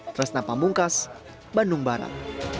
trasnapa mungkas bandung barat